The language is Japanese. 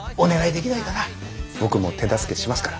僕も手助けしますから。